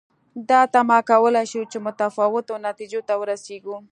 دا تمه کولای شو چې متفاوتو نتیجو ته ورسېږو.